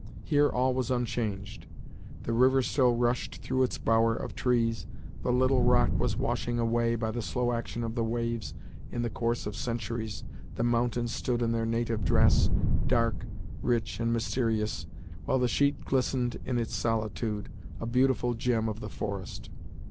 Here all was unchanged. The river still rushed through its bower of trees; the little rock was washing away, by the slow action of the waves, in the course of centuries, the mountains stood in their native dress, dark, rich and mysterious, while the sheet glistened in its solitude, a beautiful gem of the forest.